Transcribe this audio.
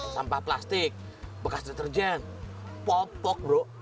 sampah plastik bekas deterjen popok bro